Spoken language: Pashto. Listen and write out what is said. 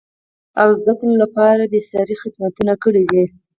او زده کړو لپاره بېسارې خدمتونه کړیدي.